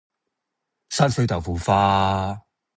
山水豆腐花